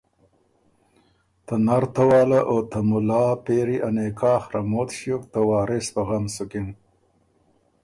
ته نر ته واله او ته مُلا پېری ا نکاح ڒموت ݭیوک ته وارث په غم سُکِن